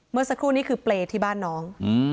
เมื่อสักครู่นี้คือเปรย์ที่บ้านน้อง